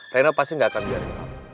reno pasti nggak akan jadi